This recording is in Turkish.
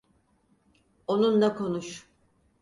Onunla konuş.